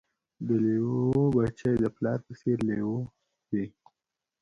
د لېوه بچی د پلار په څېر لېوه وي